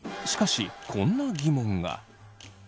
しかしこんな疑問が。